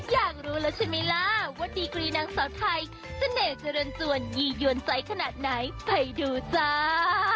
อยากรู้แล้วใช่ไหมล่ะว่าดีกรีนางสาวไทยเสน่ห์เจริญจวนยียวนใจขนาดไหนไปดูจ้า